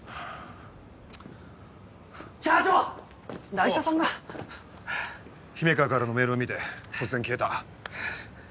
凪沙さんが⁉姫川からのメールを見て突然消えた。